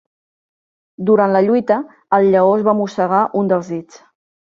Durant la lluita, el lleó es va mossegar un dels dits.